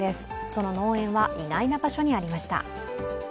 その農園は意外な場所にありました。